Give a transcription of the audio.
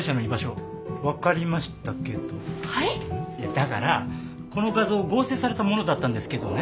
だからこの画像合成されたものだったんですけどね